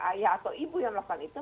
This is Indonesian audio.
ayah atau ibu yang melakukan itu